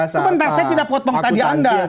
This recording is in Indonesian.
sebentar saya tidak potong tadi anda